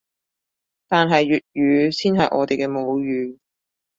但係粵語先係我哋嘅母語